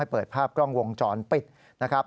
เปิดภาพกล้องวงจรปิดนะครับ